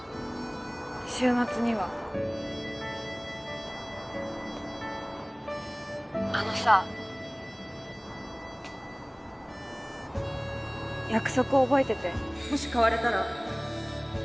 週末には☎あのさ約束覚えててもし変われたら